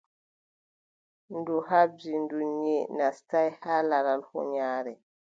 Ndu haɓdi, ndu, nyiʼe naastaay har laral huunyaare.